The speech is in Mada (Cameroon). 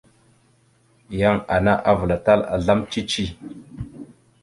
Yan ana avəlatal azlam cici.